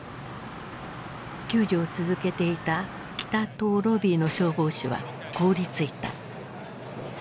救助を続けていた北棟ロビーの消防士は凍りついた。